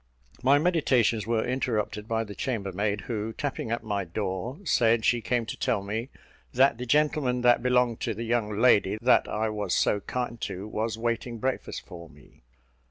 My meditations were interrupted by the chambermaid, who, tapping at my door, said she came to tell me "that the gentleman that belonged to the young lady that I was so kind to, was waiting breakfast for me."